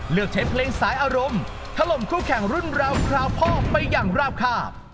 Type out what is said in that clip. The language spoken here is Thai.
เลือกใช้เพลงสายอารมณ์ถล่มคู่แข่งรุ่นราวคราวพ่อไปอย่างราบคาบ